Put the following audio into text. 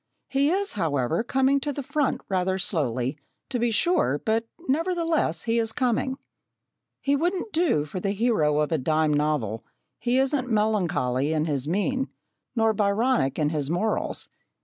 He is, however, coming to the front rather slowly, to be sure, but nevertheless he is coming. He wouldn't do for the hero of a dime novel he isn't melancholy in his mien, nor Byronic in his morals.